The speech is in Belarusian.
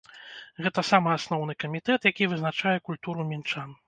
Гэта самы асноўны камітэт, які вызначае культуру мінчан.